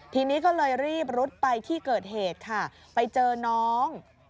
ทีนี้ก็เลยรีบรุดไปที่เกิดเหตุค่ะไปเจอน้อง